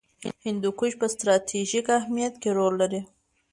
هندوکش په ستراتیژیک اهمیت کې رول لري.